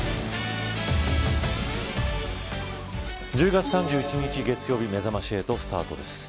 １０月３１日月曜日めざまし８スタートです。